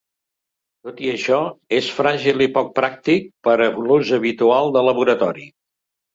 Tot i això, és fràgil i poc pràctic per a l'ús habitual de laboratori.